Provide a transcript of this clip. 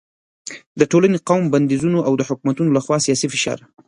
د ټولنې، قوم بندیزونه او د حکومتونو له خوا سیاسي فشار